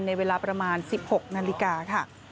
เวลาประมาณ๑๖นาฬิกาค่ะ